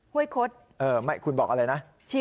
ห้วยคดคุณบอกอะไรนะ